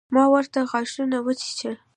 ما ورته غاښونه وچيچل.